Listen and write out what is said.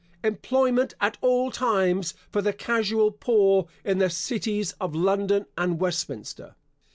Employment at all times for the casual poor in the cities of London and Westminster.